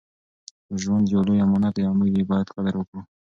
ژوند یو لوی امانت دی او موږ یې باید قدر وکړو.